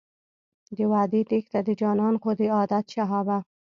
د وعدې تېښته د جانان خو دی عادت شهابه.